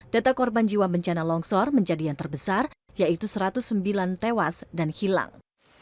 data korban jiwa bencana longsor menjadi yang terbesar yaitu satu ratus sembilan tewas dan hilang